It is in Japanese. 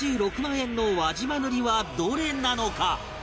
円の輪島塗はどれなのか？